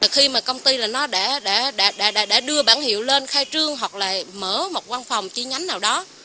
khi mà công ty là nó đã đưa bản hiệu lên khai trương hoặc là mở một văn phòng chi nhánh nào đó